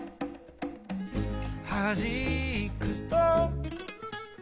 「はじくと」